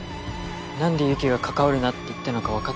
何でユキが「関わるな」って言ったのか分かった。